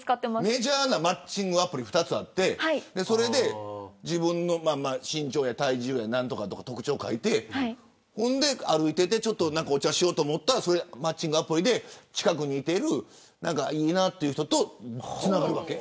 メジャーなマッチングアプリ２つあってそれで自分の身長や体重や特徴を書いてそれで、歩いていてお茶しようと思ったらマッチングアプリで近くにいてるいいなという人とつながるわけ。